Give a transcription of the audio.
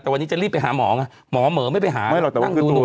แต่วันนี้จะรีบไปหาหมอไงหมอเหมือไม่ไปหานั่งดู